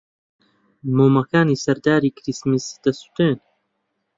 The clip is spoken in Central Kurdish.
مۆمەکانی سەر داری کریسمس دەسووتێن.